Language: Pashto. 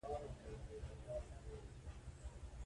بنیادي ماخذونه هغه دي، چي لیکوال په خپل لاس لیکلي يي.